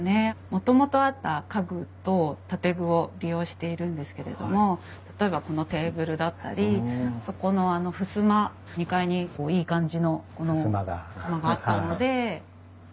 もともとあった家具と建具を利用しているんですけれども例えばこのテーブルだったりそこのふすま２階にいい感じのふすまがあったので使いました。